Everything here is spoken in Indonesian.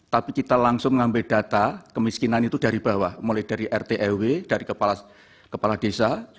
tapi kita langsung mengambil data kemiskinan itu dari bawah mulai dari rt rw dari kepala desa